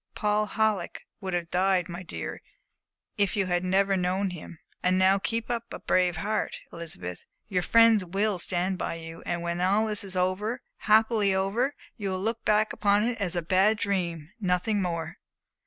Paul Halleck would have died, my dear, if you had never known him. And now keep up a brave heart, Elizabeth. Your friends will stand by you, and when all this is over happily over, you will look back upon it as a bad dream nothing more."